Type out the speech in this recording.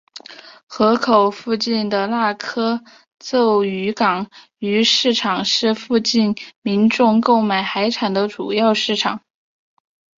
河口附近的那珂凑渔港鱼市场是附近民众购买海产的主要市场。